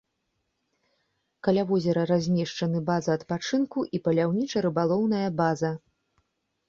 Каля возера размешчаны база адпачынку і паляўніча-рыбалоўная база.